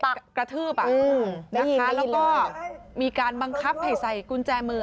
กระทืบอ่ะนะคะแล้วก็มีการบังคับให้ใส่กุญแจมือ